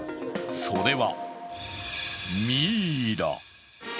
それは、ミイラ。